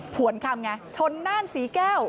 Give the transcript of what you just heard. ผวนคำไงชนน่านศรีแก้ว